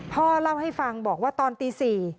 พ่อเล่าให้ฟังบอกว่าตอนตี๔